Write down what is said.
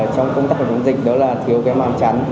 trong công tác phòng chống dịch đó là thiếu cái màm chắn